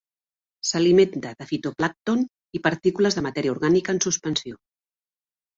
S'alimenta de fitoplàncton i partícules de matèria orgànica en suspensió.